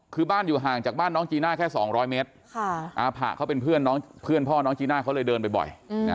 คือบ้านอยู่ห่างจากบ้านน้องจีน่าแค่๒๐๐เมตรอาผะเขาเป็นเพื่อนพ่อน้องจีน่าเขาเลยเดินไปบ่อย